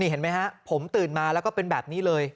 เห็นไหมฮะผมตื่นมาแล้วก็เป็นแบบนี้เลย